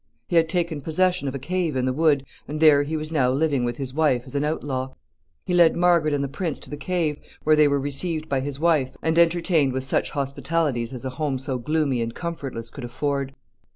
He had taken possession of a cave in the wood, and there he was now living with his wife as an outlaw. He led Margaret and the prince to the cave, where they were received by his wife, and entertained with such hospitalities as a home so gloomy and comfortless could afford.